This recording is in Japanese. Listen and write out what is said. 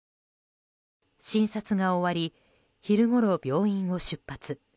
診察が終わり昼ごろ、病院を出発。